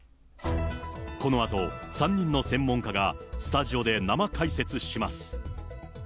このあと、３人の専門家がスタジオで生解説します。